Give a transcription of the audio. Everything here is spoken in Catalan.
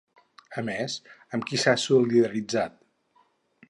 A més, amb qui s'ha solidaritzat?